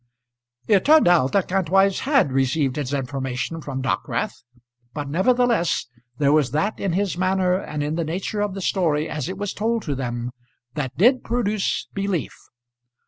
It turned out that Kantwise had received his information from Dockwrath; but nevertheless, there was that in his manner, and in the nature of the story as it was told to them, that did produce belief.